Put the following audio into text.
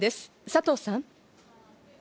佐藤さん。